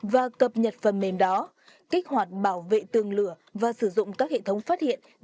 và cập nhật phần mềm chống virus uy tín